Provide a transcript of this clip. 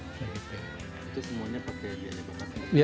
itu semuanya pakai biaya